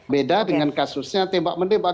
beda dengan kasusnya tembak menembak